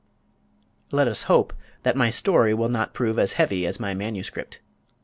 ] Let us hope that my story will not prove as heavy as my manuscript.